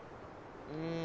うん。